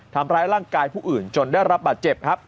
ทำร้ายร่างกายผู้อื่นจนได้รับบาดเจ็บครับ